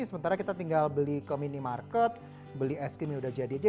sementara kita tinggal beli ke minimarket beli es krim yang udah jadi aja